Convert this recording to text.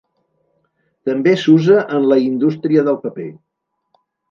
També s'usa en la indústria del paper.